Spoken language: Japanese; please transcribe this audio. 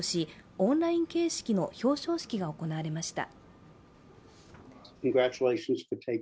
オンライン形式の表彰式が行われました。